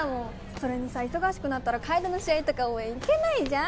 それにさ忙しくなったら楓の試合とか応援行けないじゃん